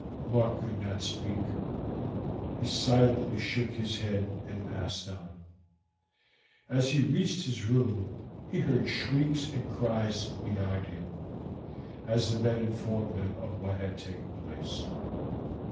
Mark could not speak. He silently shook his head and passed on. As he reached his room he heard shrieks and cries behind him, as the men informed them of what had taken place.